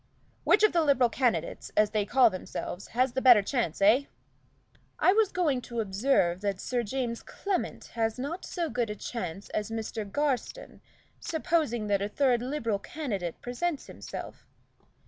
"Which of the Liberal candidates, as they call themselves, has the better chance, eh?" "I was going to observe that Sir James Clement has not so good a chance as Mr. Garstin, supposing that a third Liberal candidate presents himself.